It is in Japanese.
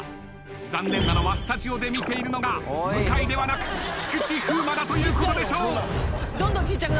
残念なのはスタジオで見ているのが向井ではなく菊池風磨だということでしょう。